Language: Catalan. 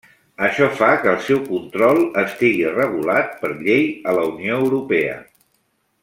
Això fa que el seu control estigui regulat per llei a la Unió Europea.